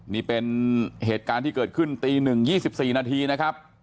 นี่เป็นเหตุการณ์ที่เกิดขึ้นตี๑๒๔นาทีนะครับ